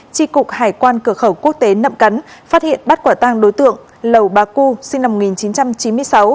tri cục hải quan cửa khẩu quốc tế nậm cắn phát hiện bắt quả tang đối tượng lầu bá cư sinh năm một nghìn chín trăm chín mươi sáu